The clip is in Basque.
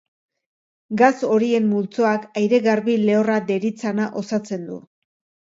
Gas horien multzoak aire garbi lehorra deritzana osatzen du.